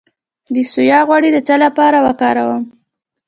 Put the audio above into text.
د سویا غوړي د څه لپاره وکاروم؟